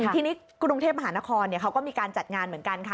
ทีนี้กรุงเทพมหานครเขาก็มีการจัดงานเหมือนกันค่ะ